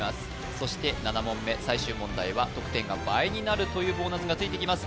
そして７問目最終問題は得点が倍になるというボーナスがついてきます